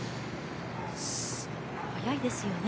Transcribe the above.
速いですよね。